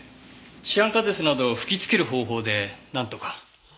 シアン化鉄などを吹き付ける方法でなんとか。